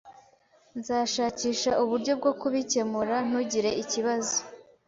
Nzashakisha uburyo bwo kubikemura .Ntugire ikibazo .